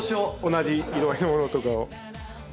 同じ色合いのものとかを。